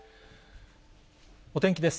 お天気です。